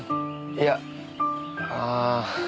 いやああ。